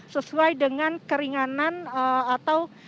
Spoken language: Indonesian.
sesuai dengan keringanan atau